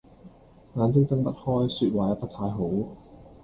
眼睛睜不開，說話也不太好